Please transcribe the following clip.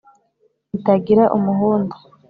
ritagira umuhunda